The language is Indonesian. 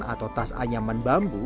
atau tas anyaman bambu